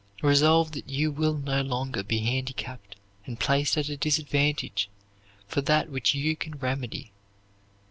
Resolve that you will no longer be handicapped and placed at a disadvantage for that which you can remedy.